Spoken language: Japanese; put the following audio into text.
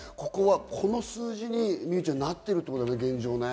この数字に望結ちゃん、なっているってことだね。